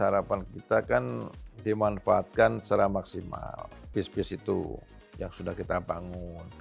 harapan kita kan dimanfaatkan secara maksimal bis bis itu yang sudah kita bangun